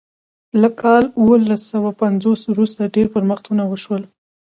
له کال اوولس سوه پنځوس وروسته ډیر پرمختګونه وشول.